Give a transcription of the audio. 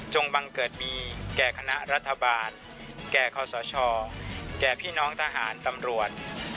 บังเกิดมีแก่คณะรัฐบาลแก่คอสชแก่พี่น้องทหารตำรวจ